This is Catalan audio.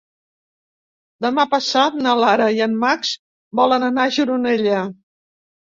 Demà passat na Lara i en Max volen anar a Gironella.